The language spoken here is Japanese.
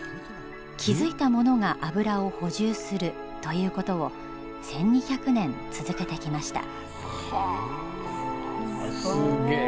気付いた者が油を補充するということを１２００年続けてきました。